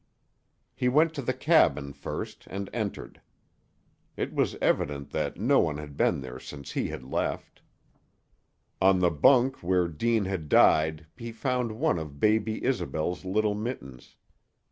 He went to the cabin first and entered. It was evident that no one had been there since he had left, On the bunk where Deane had died he found one of baby Isobel's little mittens.